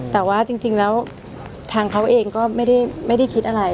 แต่ว่าจริงแล้วทางเขาเองก็ไม่ได้คิดอะไร